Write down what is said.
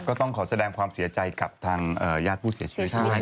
ก็ต้องขอแสดงความเสียใจกับทางญาติผู้เสียชีวิตด้วย